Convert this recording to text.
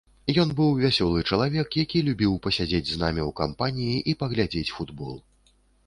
Ён быў вясёлы чалавек, які любіў пасядзець з намі ў кампаніі і паглядзець футбол.